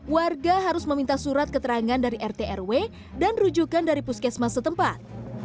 warga harus meminta surat keterangan dari rt rw dan rujukan dari puskesmas setempat